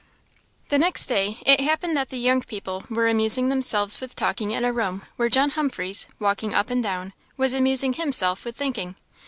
The next day it happened that the young people were amusing themselves with talking in a room where John Humphreys, walking up and down, was amusing himself with thinking.